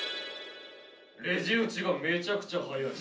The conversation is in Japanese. レジ打ちがめちゃくちゃ速い。